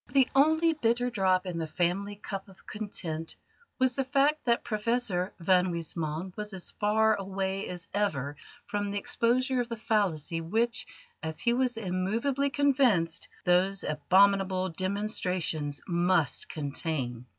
The only bitter drop in the family cup of content was the fact that Professor van Huysman was as far away as ever from the exposure of the fallacy which, as he was immovably convinced, those abominable demonstrations must contain.